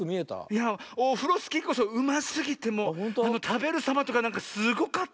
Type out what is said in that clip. いやオフロスキーこそうますぎてもうたべるさまとかなんかすごかったわ。